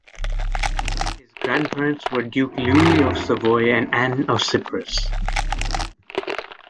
His grandparents were Duke Louis of Savoy and Anne of Cyprus.